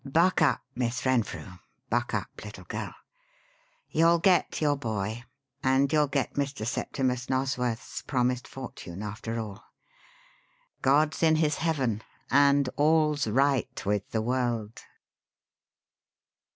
Buck up, Miss Renfrew, buck up, little girl you'll get your 'Boy' and you'll get Mr. Septimus Nosworth's promised fortune after all! 'God's in his heaven, and all's right with the world.'"